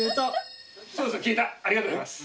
ありがとうございます。